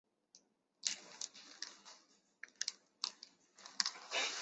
该时期的突出特征就是类似哥白尼环形山的带辐射纹的撞击坑的出现。